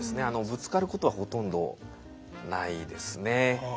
ぶつかることはほとんどないですね。